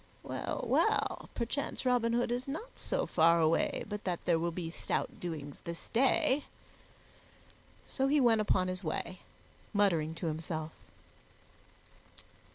Well, well, perchance Robin Hood is not so far away but that there will be stout doings this day." So he went upon his way, muttering to himself.